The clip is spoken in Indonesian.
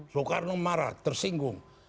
soekarno marah tersinggung